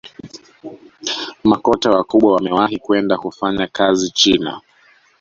makocha wakubwa wamewahi kwenda kufanya kazi china